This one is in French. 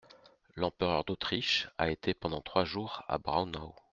L'empereur d'Autriche a été pendant trois jours à Braunau.